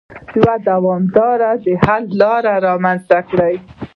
يو دوامدار حل رامنځته کړي.